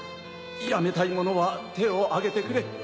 辞めたい者は手をあげてくれ。